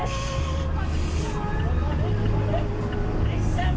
โต๊ะหนึ่ง